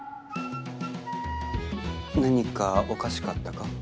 何かおかしかったか？